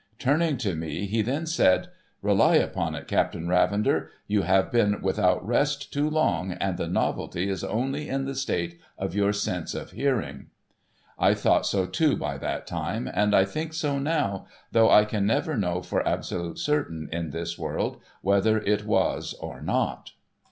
Turning to me he then said, ' Rely upon it, Captain Ravender, you have been without rest too long, and the novelty is only in the state of your sense of hearing.' I thought so too by that time, and I think so now, though I can never know for absolute certain in this world, whether it was or not.